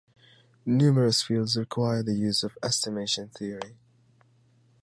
Numerous fields require the use of estimation theory.